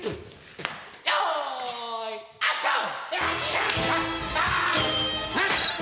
よーいアクション！